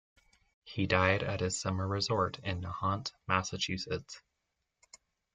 He died at his summer resort in Nahant, Massachusetts.